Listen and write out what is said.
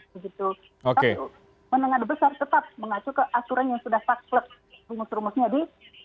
tapi menengah besar tetap mengacu ke aturan yang sudah taklek rumus rumusnya di